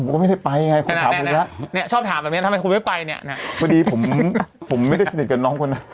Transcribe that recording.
ผมลองมาคิดก่อนเข้ารายการ